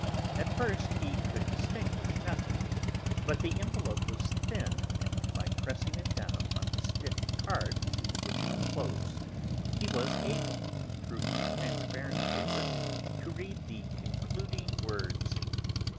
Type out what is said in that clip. At first he could distinguish nothing, but the envelope was thin, and by pressing it down on to the stiff card which it enclosed he was able, through the transparent paper, to read the concluding words.